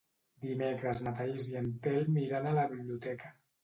Dimecres na Thaís i en Telm iran a la biblioteca.